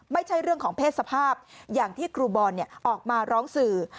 ไม่ใช่เรื่องของเพศสภาพอย่างที่ครูบอลออกมาร้องสื่อ